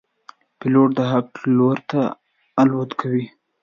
پیلوټ د حق لور ته الوت کوي.